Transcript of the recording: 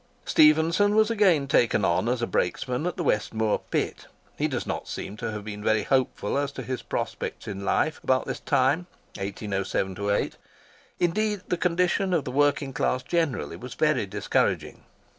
Stephenson was again taken on as a brakesman at the West Moor Pit. He does not seem to have been very hopeful as to his prospects in life about this time (1807–8). Indeed the condition of the working class generally was very discouraging.